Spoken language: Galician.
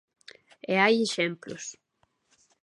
E hai exemplos.